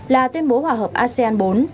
là tuyên bố hòa hợp asean bốn